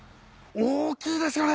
大きいですよね。